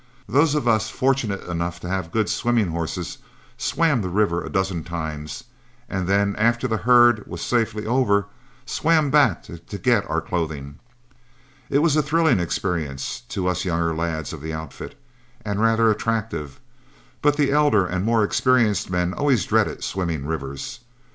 Those of us fortunate enough to have good swimming horses swam the river a dozen times, and then after the herd was safely over, swam back to get our clothing. It was a thrilling experience to us younger lads of the outfit, and rather attractive; but the elder and more experienced men always dreaded swimming rivers.